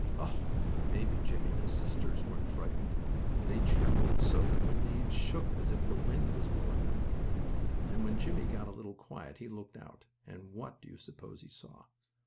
Oh, maybe Jimmie and his sisters weren't frightened. They trembled so that the leaves shook as if the wind was blowing them, and when Jimmie got a little quiet he looked out, and what do you suppose he saw?